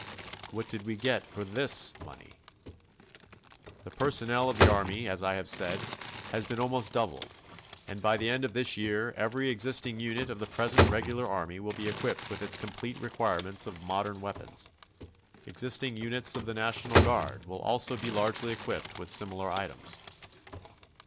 What did we get for this money? The personnel of the Army, as I have said, has been almost doubled. And by the end of this year every existing unit of the present regular Army will be equipped with its complete requirements of modern weapons. Existing units of the national Guard will also be largely equipped with similar items.